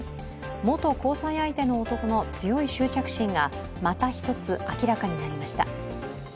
元交際相手の男の強い執着心がまた１つ明らかになりました。